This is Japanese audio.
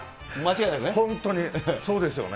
本当に、そうですよね。